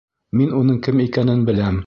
— Мин уның кем икәнен беләм.